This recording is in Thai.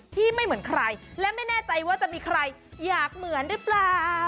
ไม่เหมือนใครและไม่แน่ใจว่าจะมีใครอยากเหมือนหรือเปล่า